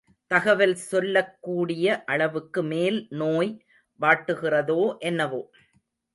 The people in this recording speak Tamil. தகவல் சொல்லக்கூடிய அளவுக்கு மேல் நோய் வாட்டுகிறதோ என்னவோ?